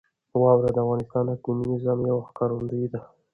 واوره د افغانستان د اقلیمي نظام یوه ښکارندوی ده.